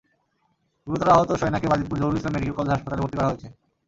গুরুতর আহত সোয়েনাকে বাজিতপুর জহুরুল ইসলাম মেডিকেল কলেজ হাসপাতালে ভর্তি করা হয়েছে।